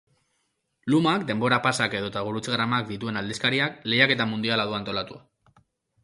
Luma, denbora pasak edota gurutzegramak dituen aldizkariak lehiaketa mundiala du antolatua.